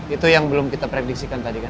itu yang belum kita prediksikan tadi kan